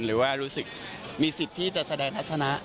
หรือว่ารู้สึกมีสิทธิ์ที่จะแสดงลักษณะ